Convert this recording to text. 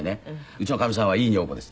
うちのかみさんはいい女房です。